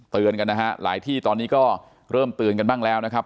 เตือนกันนะฮะหลายที่ตอนนี้ก็เริ่มเตือนกันบ้างแล้วนะครับ